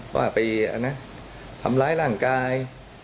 ว่าไปทำร้ายร่างกาย